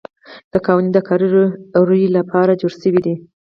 دا قوانین د کاري رویې لپاره جوړ شوي دي.